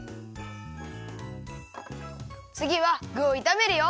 つぎはぐをいためるよ。